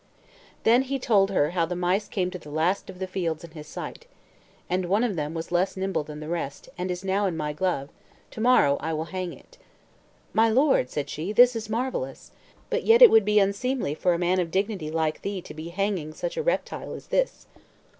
Then he told her how the mice came to the last of the fields in his sight. "And one of them was less nimble than the rest, and is now in my glove; to morrow I will hang it." "My lord," said she, "this is marvellous; but yet it would be unseemly for a man of dignity like thee to be hanging such a reptile as this."